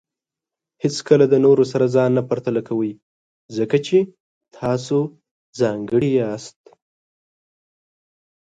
هیڅکله د نورو سره ځان نه پرتله کوئ، ځکه چې تاسو ځانګړي یاست.